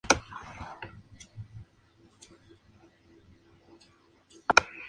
Eli Roth, Rose McGowan y el mismo Tarantino aparecen en pequeños papeles.